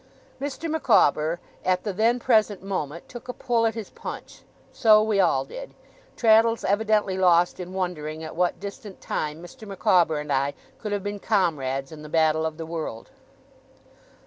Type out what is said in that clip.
Mr. Micawber, at the then present moment, took a pull at his punch. So we all did: Traddles evidently lost in wondering at what distant time Mr. Micawber and I could have been comrades in the battle of the world.